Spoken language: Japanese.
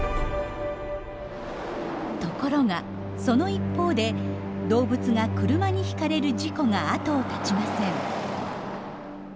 ところがその一方で動物が車にひかれる事故があとを絶ちません。